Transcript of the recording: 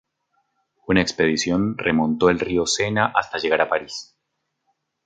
Una expedición remontó el río Sena hasta llegar a París.